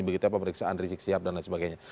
begitu pemeriksaan risikosidat dan lain sebagainya